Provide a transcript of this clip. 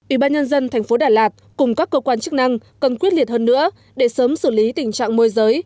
ủy ban nhân dân thành phố đà lạt cùng các cơ quan chức năng cần quyết liệt hơn nữa để sớm xử lý tình trạng môi giới